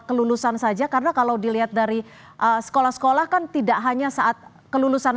kelulusan saja karena kalau dilihat dari sekolah sekolah kan tidak hanya saat kelulusan